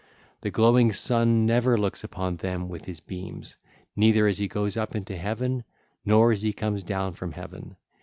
The glowing Sun never looks upon them with his beams, neither as he goes up into heaven, nor as he comes down from heaven.